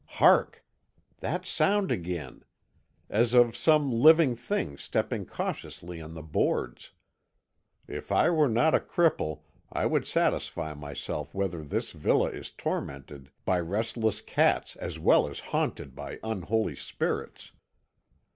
Hark! That sound again! As of some living thing stepping cautiously on the boards. If I were not a cripple I would satisfy myself whether this villa is tormented by restless cats as well as haunted by unholy spirits.